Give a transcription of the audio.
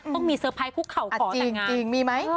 ต้องมีสเซอร์ไพค์ภูเขาขอแต่งงานเจียงมีไหม